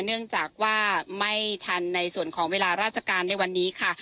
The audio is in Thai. เนื่องจากว่าไม่ทันในส่วนของเวลาราชการในวันนี้ค่ะ